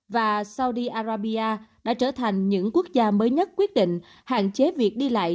và saudi arabia đã trở thành những quốc gia mới nhất quyết định hạn chế việc đi lại